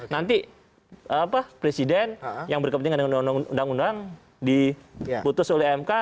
nanti presiden yang berkepentingan dengan undang undang diputus oleh mk